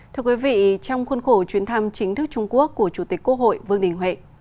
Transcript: thưa quý vị trong khuôn khổ chuyến thăm chính thức trung quốc của chủ tịch quốc hội vương đình huệ